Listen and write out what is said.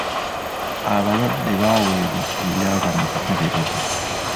Abalwadde baaweebwa ebyava mu kukeberebwa.